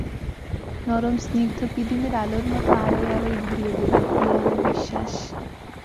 নরম স্নিগ্ধ পিদিমের আলোর মতো আলোয় আলোয় ভরিয়ে দেবেন—এই আমার বিশ্বাস।